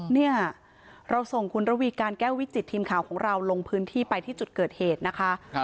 เนี่ยเราส่งคุณระวีการแก้ววิจิตทีมข่าวของเราลงพื้นที่ไปที่จุดเกิดเหตุนะคะ